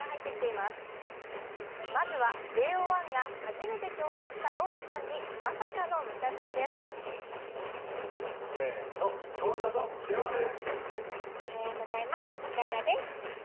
まずはＪＯ１が初めて共演したローラさんにまさかのむちゃ振りです。